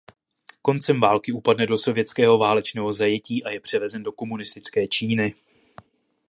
Koncem války upadne do sovětského válečného zajetí a je převezen do komunistické Číny.